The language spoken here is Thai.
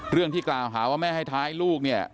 เรื่องที่กล่าวหาว่าแม่ให้ท้ายลูกเนี่ย